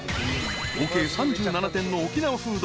［合計３７点の沖縄フード。